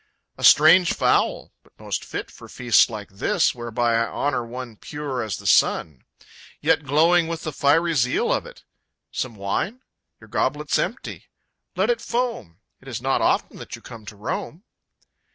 A strange fowl! But most fit For feasts like this, whereby I honor one Pure as the sun! Yet glowing with the fiery zeal of it! Some wine? Your goblet's empty? Let it foam! It is not often that you come to Rome!